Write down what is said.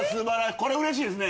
これうれしいですね。